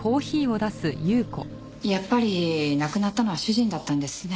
やっぱり亡くなったのは主人だったんですね。